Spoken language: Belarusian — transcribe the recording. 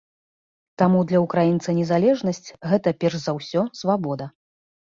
Таму для украінца незалежнасць гэта перш за ўсё свабода.